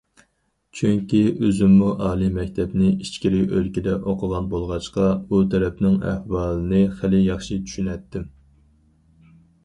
چۈنكى، ئۆزۈممۇ ئالىي مەكتەپنى ئىچكىرى ئۆلكىدە ئوقۇغان بولغاچقا، ئۇ تەرەپنىڭ ئەھۋالىنى خېلى ياخشى چۈشىنەتتىم.